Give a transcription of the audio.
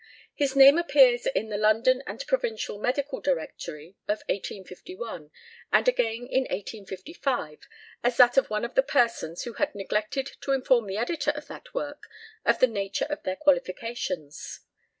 His name appears in the "London and Provincial Medical Directory" of 1851, and again in 1855, as that of one of the persons who had neglected to inform the editor of that work of the nature of their qualifications.